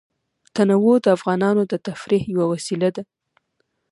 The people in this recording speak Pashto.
تنوع د افغانانو د تفریح یوه وسیله ده.